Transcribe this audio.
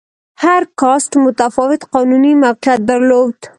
هر کاسټ متفاوت قانوني موقعیت درلود.